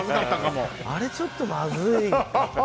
あれちょっとまずい。